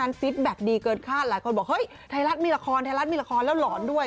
กันฟิสแบตดีเกินคาดหลายคนบอกเฮ้ยไทรรัศน์มีละครแล้วหลอนด้วย